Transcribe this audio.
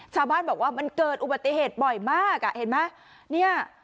ชาวบ้านบอกว่ามันเกิดอุบัติเหตุบ่อยมากอ่ะเห็นไหมเนี่ย